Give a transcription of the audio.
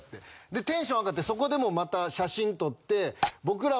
でテンション上がってそこでもまた写真撮って。